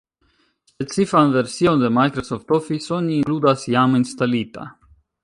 Specifan version de Microsoft Office oni inkludas jam instalita.